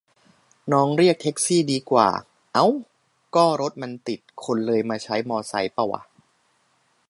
น้องเรียกแท็กซี่ดีกว่า เอ๊า ก็รถมันติดคนเลยมาใช้มอไซค์ปะวะ